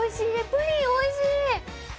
プリンおいしい！